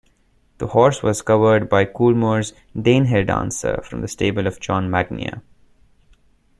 The horse was covered by Coolmore's "Danehill Dancer", from the stable of John Magnier.